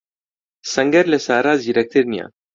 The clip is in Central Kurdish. سەنگەر لە سارا زیرەکتر نییە.